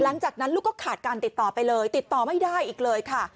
หลังจากนั้นลูกก็ขาดการติดต่อไปเลยติดต่อไม่ได้อีกเลยค่ะ